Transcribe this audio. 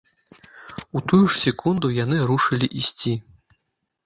У тую ж секунду яны рушылі ісці.